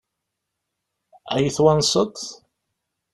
Ad iyi-twanseḍ?